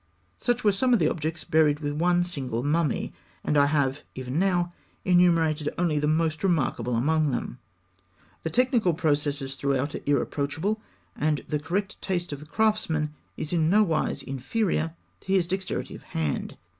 Such were some of the objects buried with one single mummy; and I have even now enumerated only the most remarkable among them. The technical processes throughout are irreproachable, and the correct taste of the craftsman is in no wise inferior to his dexterity of hand.